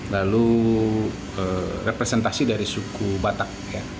lalu representasi dari suku batak